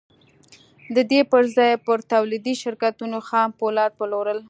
د دې پر ځای يې پر توليدي شرکتونو خام پولاد پلورل.